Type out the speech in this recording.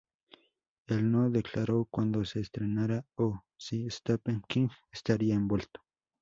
Él no declaró cuando se estrenará o sí Stephen King estaría envuelto.